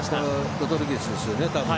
ロドリゲスですよね、たぶん。